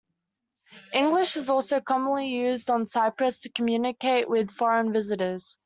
English is also commonly used on Cyprus to communicate with foreign visitors.